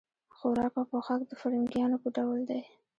خوراک او پوښاک د فرنګیانو په ډول دی.